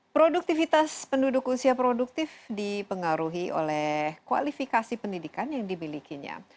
produktivitas penduduk usia produktif dipengaruhi oleh kualifikasi pendidikan yang dimilikinya